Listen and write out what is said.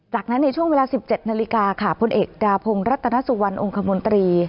จากนั้นในช่วงเวลา๑๗นาฬิกาค่ะพลเอกดาพงศ์รัตนสุวรรณองคมนตรี